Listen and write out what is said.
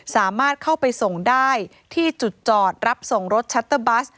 สามารถเข้าไปส่งได้ที่จุดจอดรับส่งรถชัตเตอร์บัส